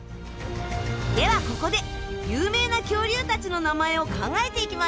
ではここで有名な恐竜たちの名前を考えていきましょう。